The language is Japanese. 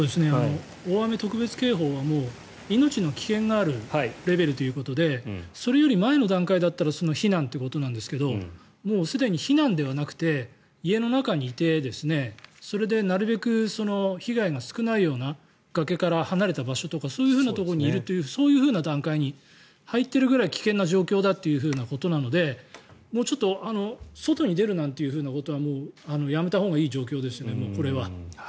大雨特別警報は命の危険があるレベルということでそれより前の段階だったら避難ということなんですがもうすでに避難ではなくて家の中にいてそれでなるべく被害が少ないような崖から離れた場所とかそういうところにいるというそういう段階に入っているぐらい危険な状況だということなのでもう、ちょっと外に出るなんてことはもうやめたほうがいい状況ですねこれは。